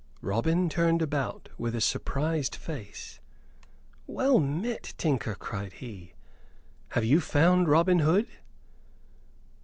Robin turned about with a surprised face. "Well met again, tinker," cried he. "Have you found Robin Hood?"